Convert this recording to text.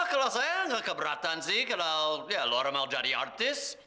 kalau saya nggak keberatan sih kalau dia luar mau jadi artis